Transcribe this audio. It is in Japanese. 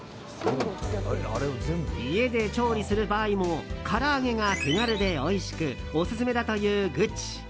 家で調理する場合もから揚げが手軽でおいしくオススメだというグチ。